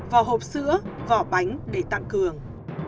vỏ hộp sữa vỏ bánh để tặng cường